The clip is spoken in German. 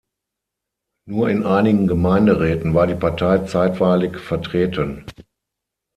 Nur in einigen Gemeinderäten war die Partei zeitweilig vertreten.